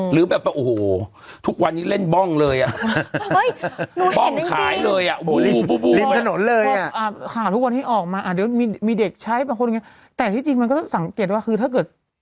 หรือแบบว่าโอหทำทุกวันนี้เล่นเลยอ่ะนู้นเห็นได้จริงแต่ที่จริงมันก็สังเกตว่าคือถ้าเกิด